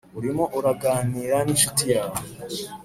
Urimo uraganira n incuti yawe